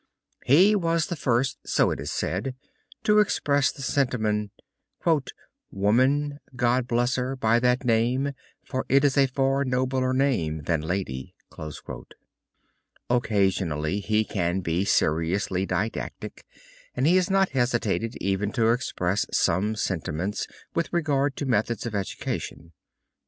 He was the first, so it is said, to express the sentiment: "Woman, God bless her, by that name, for it is a far nobler name than lady." Occasionally he can be seriously didactic and he has not hesitated even to express some sentiments with regard to methods of education.